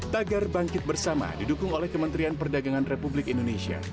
tagar bangkit bersama didukung oleh kementerian perdagangan republik indonesia